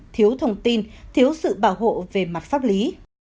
thiếu thông tin thiếu sự bảo hộ về mặt pháp lý